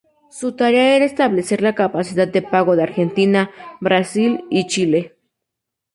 Su tarea era establecer la capacidad de pago de Argentina, Brasil y Chile.